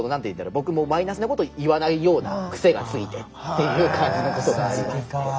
僕もマイナスなこと言わないような癖がついてっていう感じのことがありますね。